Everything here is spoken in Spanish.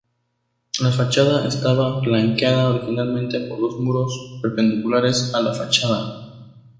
La fachada estaba flanqueada originalmente por dos muros perpendiculares a la fachada.